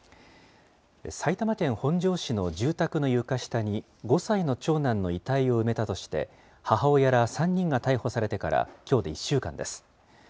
埼玉県本庄市の住宅の床下に、５歳の長男の遺体を埋めたとして、母親ら３人が逮捕されてからきょうで１週間です。